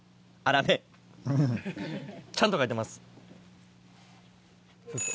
ちゃんと書いてます。